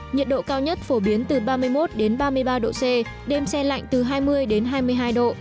nhiệt độ cao nhất phổ biến từ ba mươi một đến ba mươi ba độ c đêm xe lạnh từ hai mươi đến hai mươi hai độ